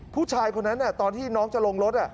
ผู้ชายคนนั้นตอนที่น้องจะลงรถ